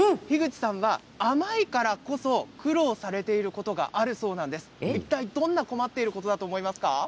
樋口さんは甘いからこそ苦労されていることがあるそうです、いったいどんな困っていることだと思いますか？